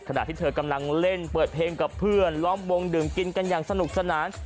ขณะที่เธอกำลังเล่นเปิดเพลงกับเพื่อนล้อมวงดื่มกินกันอย่างสนุกสนาน